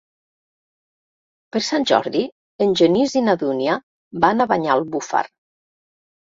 Per Sant Jordi en Genís i na Dúnia van a Banyalbufar.